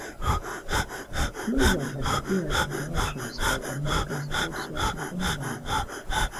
Kluivert has appeared in commercials for the American sportswear company Nike.